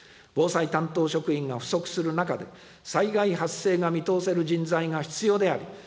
防災担当職員が不足する中で、災害発生が見通せる人材が必要である。